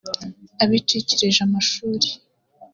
abacikirije amashuri